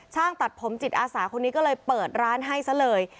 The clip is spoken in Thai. ช่างตัดผมจิตอาสาคนนี้ก็เลยเปิดร้านให้ซะเลย